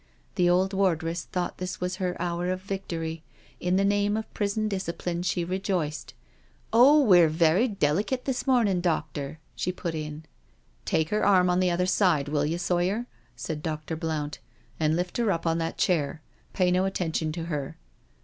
The old wardress thought this was her hour of victory. In the name of prison discipline she rejoiced. " Oh, we're very delicate, this mornin', doctor," she put in. IN THE PUNISHMENT CELL 287 " Take her arm on the other side, will you, Sawyer/' said Dr. Blount, " and lift her on to the chair — pay no attention to her."